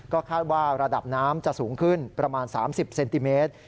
ก็คาดว่าระดับน้ำจะสูงขึ้นประมาณ๓๐เซนติเมตร